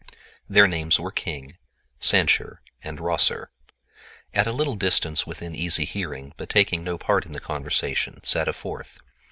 Their names were King, Sancher, and Rosser. At a little distance, within easy hearing, but taking no part in the conversation, sat a fourth.